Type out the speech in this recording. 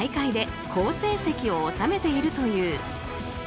２人も大会で好成績を収めているという。